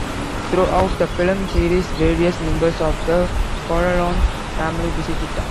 Throughout the film series, various members of the Corleone family visit the town.